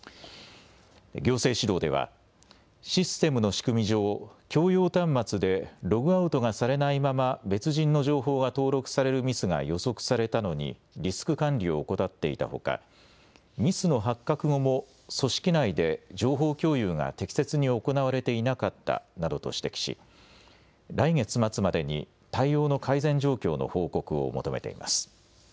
行政指導ではシステムの仕組み上、共用端末でログアウトがされないまま別人の情報が登録されるミスが予測されたのにリスク管理を怠っていたほか、ミスの発覚後も組織内で情報共有が適切に行われていなかったなどと指摘し来月末までに対応の改善状況の報告を求めています。